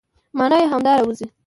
مانا يې همدا راوځي،